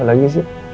apa lagi sih